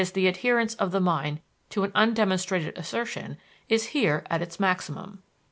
the adherence of the mind to an undemonstrated assertion is here at its maximum.